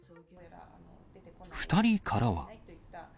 ２人からは。